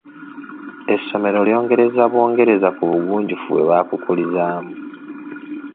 Essomero lyongereza bwongereza ku bugunjufu bwe baakukulizaamu.